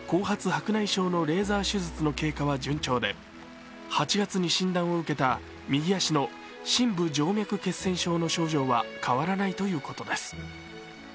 白内障のレーザー手術の経過は順調で８月に診断を受けた右足の深部静脈血栓症の症状は変わらないということです。